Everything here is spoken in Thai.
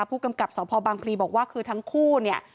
ผู้กำกับสพบังพลีบอกว่าคือทั้งคู่เนี่ย